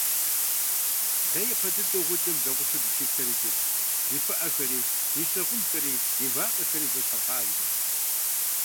Дэ япэ дыдэу гъуджэм зэгъусэу дыщиплъэр иджыт: ди пыӀэхэри, ди щыгъынхэри, ди вакъэхэри зэщхьыркъабзэщ.